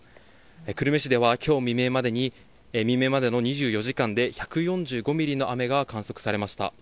久留米市では、きょう未明までの２４時間で１４５ミリの雨が観測されました。